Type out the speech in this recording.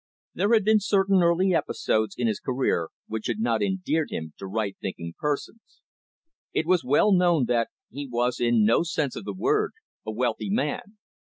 There had been certain early episodes in his career which had not endeared him to right thinking persons. It was well known that he was in no sense of the word a wealthy man.